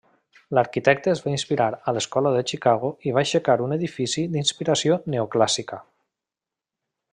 L'arquitecte es va inspirar en l'escola de Chicago i va aixecar un edifici d'inspiració neoclàssica.